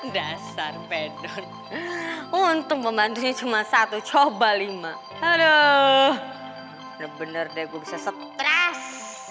dasar pedok untuk membantunya cuma satu coba lima aduh bener bener deh gue bisa stres